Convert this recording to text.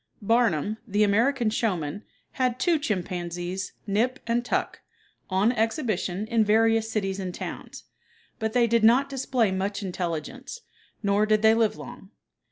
Barnum, the American showman, had two chimpanzees, "Nip" and "Tuck," on exhibition in various cities and towns, but they did not display much intelligence, nor did they live long.